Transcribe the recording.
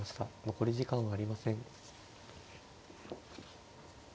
残り時間はありません。